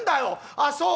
「あっそう？